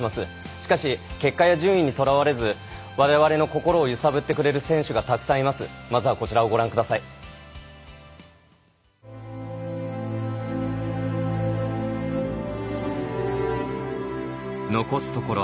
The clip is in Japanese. しかし、結果や順位にとらわれずわれわれの心を揺さぶってくれる選手がたくさんいます。